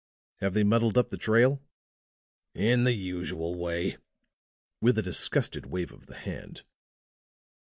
"Have they muddled up the trail?" "In the usual way," with a disgusted wave of the hand.